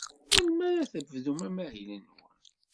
Melmi ara tebdum amahil-nwen?